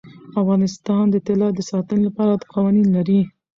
افغانستان د طلا د ساتنې لپاره قوانین لري.